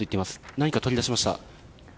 何か取り出しました。